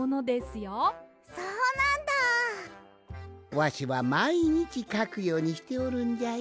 わしはまいにちかくようにしておるんじゃよ。